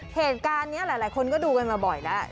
เหตุการณ์นี้หลายคนก็ดูกันมาบ่อยแล้ว